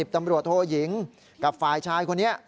ตำรวจโทยิงกับฝ่ายชายคนนี้